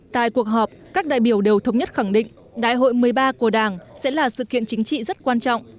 tại cuộc họp các đại biểu đều thống nhất khẳng định đại hội một mươi ba của đảng sẽ là sự kiện chính trị rất quan trọng